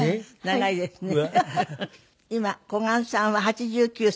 今小雁さんは８９歳。